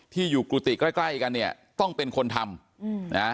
ที่อยู่กุฏิใกล้กันเนี่ยต้องเป็นคนทำ